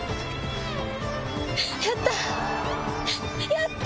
やった！